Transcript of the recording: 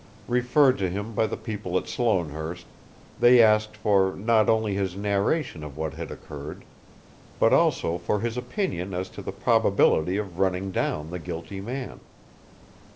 Referred to him by the people at Sloanehurst, they asked for not only his narration of what had occurred but also for his opinion as to the probability of running down the guilty man.